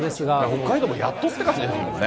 北海道もやっとっていう感じですからね。